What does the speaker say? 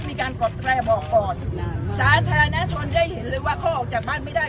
มีการกดแตรบอกก่อนสาธารณชนได้เห็นเลยว่าเขาออกจากบ้านไม่ได้